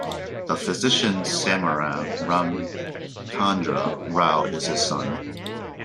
The physician Samaram Ramachandra Rao is his son.